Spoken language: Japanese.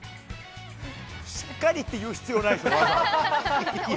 しっかりって言う必要ないでしょ、わざわざ。